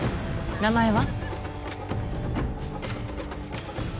名前は？